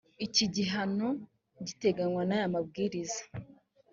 iki gihano giteganywa n aya mabwiriza